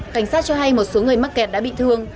cảnh sát cho hay một số người mắc kẹt đã bị thương